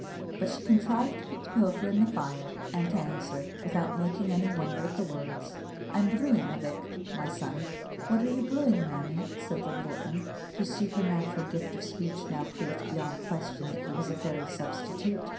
But she contrived to put the poker in the fire, and to answer, without making any wonder at the words, "I'm brewing, a vick" (my son). "And what are you brewing, mammy?" said the little imp, whose supernatural gift of speech now proved beyond question that he was a fairy substitute.